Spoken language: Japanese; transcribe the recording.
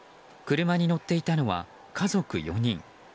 車に乗っていたのは家族４人。